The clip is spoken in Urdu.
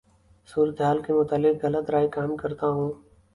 صورتحال کے متعلق غلط رائے قائم کرتا ہوں